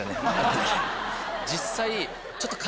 実際。